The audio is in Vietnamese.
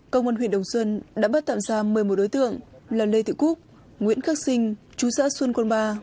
công an huyện đồng xuân đã bắt tạm ra một mươi một đối tượng là lê thị cúc nguyễn khắc sinh chú xã xuân côn ba